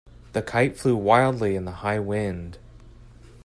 The kite flew wildly in the high wind.